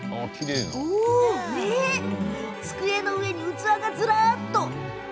机の上には器がずらっと。